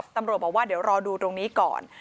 ตำรวจบอกว่าเดี๋ยวรอดูตรงนี้ก่อน